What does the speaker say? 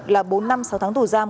là bốn năm sáu tháng tù giam